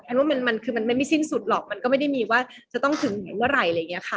ว่ามันคือมันไม่สิ้นสุดหรอกมันก็ไม่ได้มีว่าจะต้องถึงไหนเมื่อไหร่อะไรอย่างนี้ค่ะ